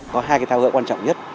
có hai cái tháo gỡ quan trọng nhất